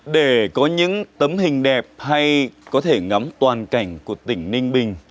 để có những tấm hình đẹp hay có thể ngắm toàn cảnh của tỉnh ninh bình